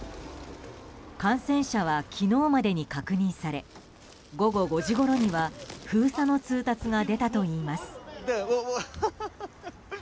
感染者は昨日までに確認され午後５時ごろには封鎖の通達が出たといいます。